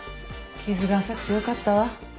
傷が浅くてよかったわ。